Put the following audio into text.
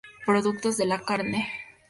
Productos de la carne.